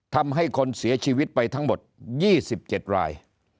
ทำให้คนเสียชีวิตไปทั้งหมด๒๗ราย